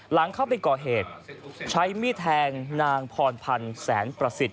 หลังเข้าไปก่อเหตุใช้มีดแทงนางพรพันธ์แสนประสิทธิ